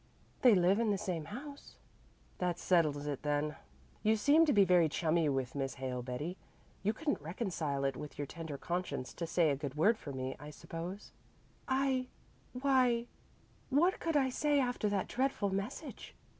"They live in the same house." "Then that settles it. You seem to be very chummy with Miss Hale, Betty. You couldn't reconcile it with your tender conscience to say a good word for me, I suppose?" "I why, what could I say after that dreadful message?"